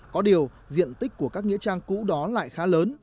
có điều diện tích của các nghĩa trang cũ đó lại khá lớn